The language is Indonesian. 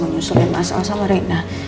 mau nyusulin masal sama rena